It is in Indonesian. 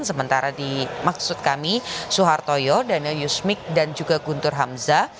sementara di maksud kami suhartoyo daniel yusmik dan juga guntur hamzah